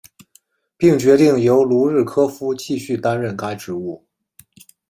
并决定由卢日科夫继续担任该职务。